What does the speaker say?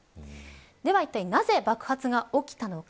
では、いったいなぜ爆発が起きたのか。